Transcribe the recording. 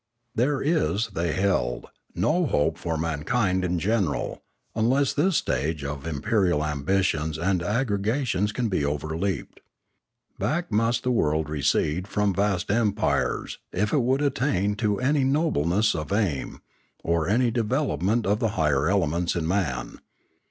There is, they held, no hope for mankind in general, unless this stage of imperial ambitions and aggrega tions can be overleaped. Back must the world recede from vast empires if it would attain to any nobleness of aim, or any development of the higher elements in man.